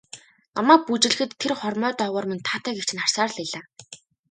Намайг бүжиглэхэд тэр хормой доогуур минь таатай гэгч нь харсаар л байлаа.